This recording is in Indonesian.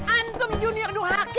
antum junior yang dihakil